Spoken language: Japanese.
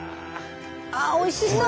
あおいしそう！